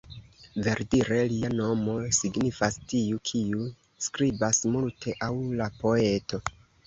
Verdire, lia nomo signifas "tiu kiu skribas multe" aŭ la poeto.